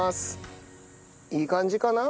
いい感じかな？